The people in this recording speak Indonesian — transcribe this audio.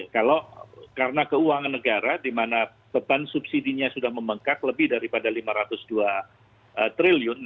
kalau karena keuangan negara di mana beban subsidinya sudah membengkak lebih daripada rp lima ratus dua triliun